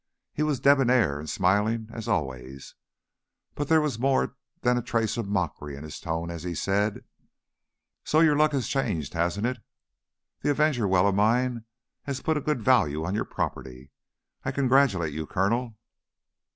He was debonair and smiling, as always, but there was more than a trace of mockery in his tone as he said: "So your luck has changed, hasn't it? That Avenger well of mine has put a good value on your property. I congratulate you, Colonel."